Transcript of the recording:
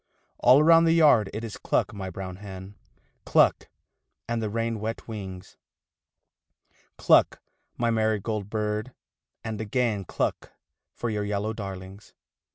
All round the yard it is cluck, my brown hen, Cluck, and the rain wet wings, Cluck, my marigold bird, and again Cluck for your yellow darlings.